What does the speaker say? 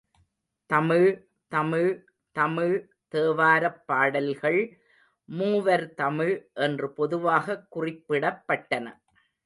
தமிழ் தமிழ் தமிழ் தேவாரப் பாடல்கள் மூவர் தமிழ் என்று பொதுவாகக் குறிப்பிடப்பட்டன.